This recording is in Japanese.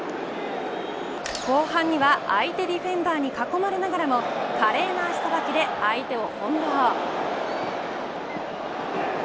後半には相手ディフェンダーに囲まれながらも華麗な足さばきで相手を翻弄。